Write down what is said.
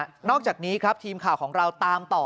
คุยกันนะฮะพี่กล้านาโรงเจ้าของเราตามต่อ